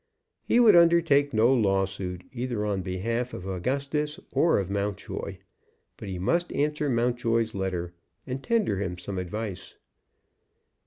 He would undertake no lawsuit either on behalf of Augustus or of Mountjoy. But he must answer Mountjoy's letter, and tender him some advice.